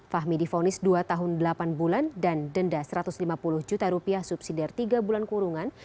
fahmi difonis dua tahun delapan bulan dan denda satu ratus lima puluh juta rupiah subsidi dari tiga bulan kurungan